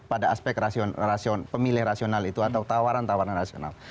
pada aspek rasio pemilih rasional itu atau tawaran tawaran rasional